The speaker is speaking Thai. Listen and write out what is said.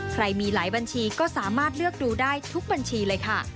ใครมีหลายบัญชีก็สามารถเลือกดูได้ทุกบัญชีเลยค่ะ